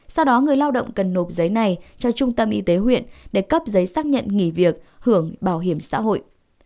sau đó người lao động cần nộp giấy này cho trung tâm y tế huyện để cấp giấy xác nhận nghỉ việc hưởng bảo hiểm xã hội